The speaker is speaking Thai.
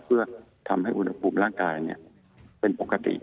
เพื่อทำให้อุณหภูมิร่างกายเป็นปกติ